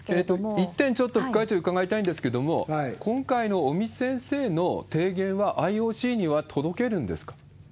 一点、ちょっと副会長に伺いたいんですけれども、今回の尾身先生の提言はＩＯＣには届けるんですか？